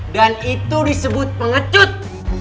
dan itu disebut pengecut